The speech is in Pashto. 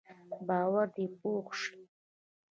باور دې پوخ شي.